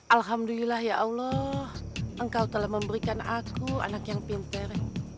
alhamdulillah ya allah engkau telah memberikan aku anak yang pintar